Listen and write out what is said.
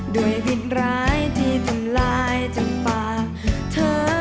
ผิดร้ายที่ทำลายจากปากเธอ